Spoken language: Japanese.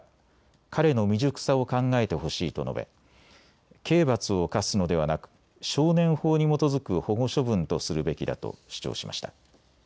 彼の未熟さを考えてほしいと述べ、刑罰を科すのではなく少年法に基づく保護処分とするべきだと主張しました。